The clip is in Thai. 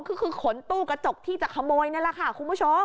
ก็คือขนตู้กระจกที่จะขโมยนี่แหละค่ะคุณผู้ชม